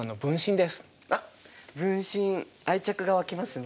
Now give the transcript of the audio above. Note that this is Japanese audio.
わっ分身愛着が湧きますね。